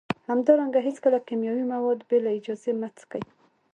همدارنګه هیڅکله کیمیاوي مواد بې له اجازې مه څکئ